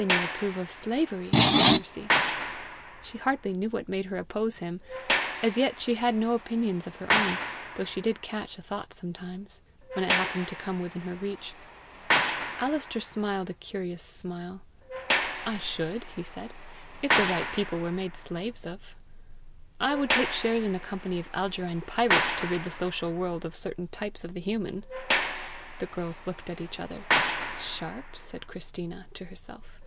"Then you approve of slavery!" said Mercy She hardly knew what made her oppose him. As yet she had no opinions of her own, though she did catch a thought sometimes, when it happened to come within her reach. Alister smiled a curious smile. "I should," he said, "if the right people were made slaves of. I would take shares in a company of Algerine pirates to rid the social world of certain types of the human!" The girls looked at each other. "Sharp!" said Christina to herself.